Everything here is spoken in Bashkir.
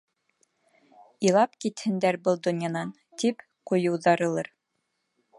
Илап китһендәр был донъянан, тип ҡуйыуҙарылыр.